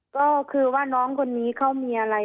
ก็คือว่าน้องคนนี้เขามีอะไร